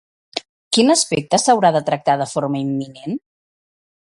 Quin aspecte s'haurà de tractar de forma imminent?